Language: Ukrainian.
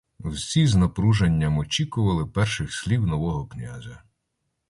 Всі з напруженням очікували перших слів нового князя.